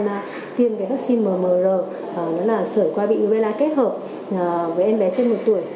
và tiêm vaccine mmr sởi quay bị uvela kết hợp với em bé trên một tuổi